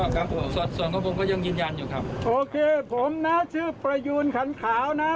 ครับผมสัดส่วนของผมก็ยังยืนยันอยู่ครับโอเคผมนะชื่อประยูนขันขาวนะ